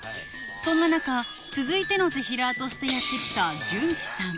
そんな中続いてのぜひらーとしてやって来たジュンキさん